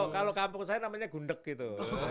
kalau kampung saya namanya gundek gitu